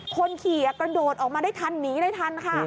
คนขี่กระโดดออกมาได้ทันหนีได้ทันค่ะ